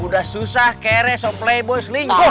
sudah susah kere so playboy selingkuh